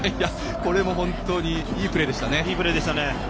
これもいいプレーでしたね。